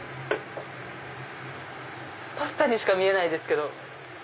パスタにしか見えないですけど。